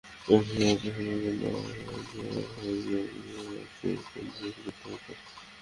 Test match শোনার জন্য আমাদের রেডিও কিংবা ওয়্যারলেসের ওপর নির্ভর করতে হতো।